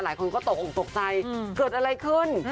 หลายคนก็ตกตกใจมันเกิดอะไรขึ้น